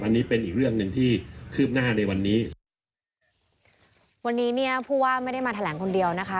อันนี้เป็นอีกเรื่องหนึ่งที่คืบหน้าในวันนี้วันนี้เนี่ยผู้ว่าไม่ได้มาแถลงคนเดียวนะคะ